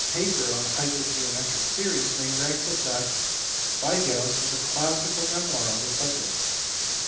paper on hypergeometric series may rank with that by Gauss as a classical memoir on the subject.